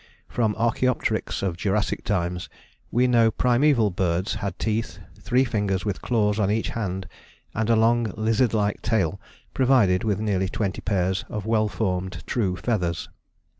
From Archaeopteryx of Jurassic times we know primeval birds had teeth, three fingers with claws on each hand, and a long lizard like tail provided with nearly twenty pairs of well formed true feathers.